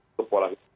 untuk pola hidup